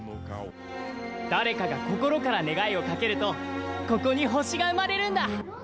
誰かが心から願いをかけると、ここに星が生まれるんだ。